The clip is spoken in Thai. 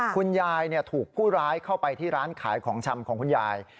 คุณยายถูกผู้ร้ายเข้าไปที่ร้านขายของชำของคุณยาย